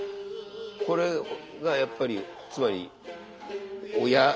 これがやっぱりつまり親なんですね。